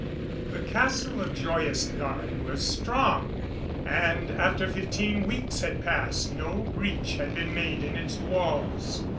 The Castle of Joyous Gard was strong, and after fifteen weeks had passed no breach had been made in its walls.